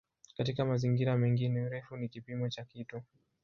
Katika mazingira mengine "urefu" ni kipimo cha kitu.